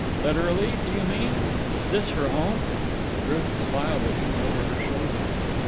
"Literally, do you mean? Is this her home?" Ruth smiled at him over her shoulder.